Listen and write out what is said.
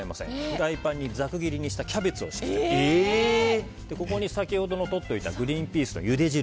フライパンにざく切りにしたキャベツを敷いてここに先ほどのとっておいたグリーンピースのゆで汁